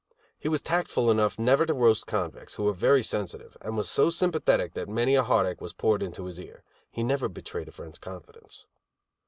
He was tactful enough never to roast convicts, who are very sensitive, and was so sympathetic that many a heartache was poured into his ear. He never betrayed a friend's confidence.